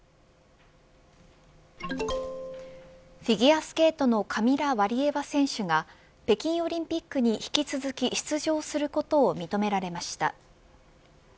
フィギュアスケートのカミラ・ワリエワ選手が北京オリンピックに引き続き出場することを認められました。